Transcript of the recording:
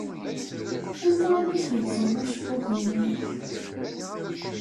Anta ay ak-igezmen acebbub-nnek?